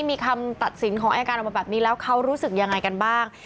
มีคำตัดสินของอายการออกมาแบบนี้แล้วเขารู้สึกยังไงกันบ้าง